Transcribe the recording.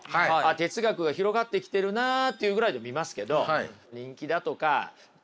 哲学が広がってきてるなっていうぐらいで見ますけど人気だとか影響とかそういう意味でね